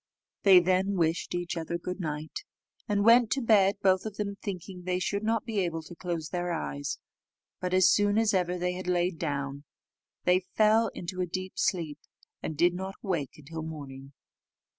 They then wished each other good night, and went to bed, both of them thinking they should not be able to close their eyes; but as soon as ever they had lain down, they fell into a deep sleep, and did not awake till morning.